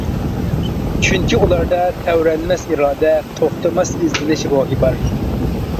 چۈنكى ئۇلاردا تەۋرەنمەس ئىرادە، توختىماي ئىزدىنىش روھى بار.